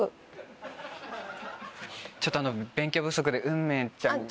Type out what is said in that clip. ちょっと勉強不足で運命ちゃん。